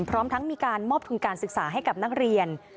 พร้อมทั้งมีการมอบทุนการศึกษาให้กับนักเรียน